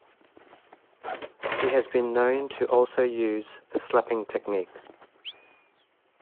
He has been known to also use the slapping technique.